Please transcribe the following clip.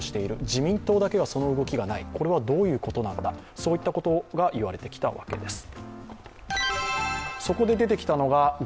自民党だけはその動きがない、これはどういうことなんだ、そういったことが言われてきたわけです。